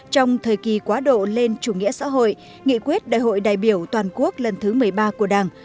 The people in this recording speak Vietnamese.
trong thời kỳ quá độ lên chủ nghĩa xã hội nghị quyết đại hội đại biểu toàn quốc lần thứ một mươi ba của đảng